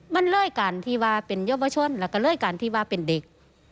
มันเลยการที่ว่าเป็นเยาวชนแล้วก็เลยการที่ว่าเป็นเด็ก